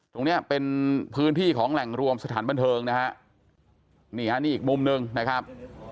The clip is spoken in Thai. ตรงเนี้ยเป็นพื้นที่ของแหล่งรวมสถานบันเทิงนะฮะนี่ฮะนี่อีกมุมหนึ่งนะครับ